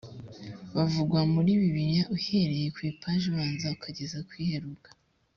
buvugwa muri bibiliya uhereye ku ipaji ibanza ukageza ku iheruka